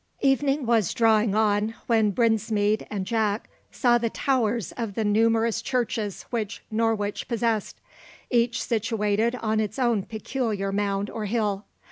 Evening was drawing on when Brinsmead and Jack saw the towers of the numerous churches which Norwich possessed, each situated on its own peculiar mound or hill.